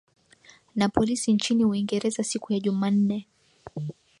na polisi nchini uingereza siku ya jumanne